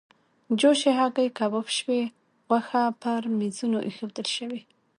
جوشې هګۍ، کباب شوې غوښه پر میزونو ایښودل شوې.